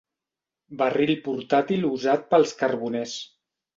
Barril portàtil usat pels carboners.